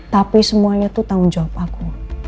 tapi semuanya itu tanggung jawab aku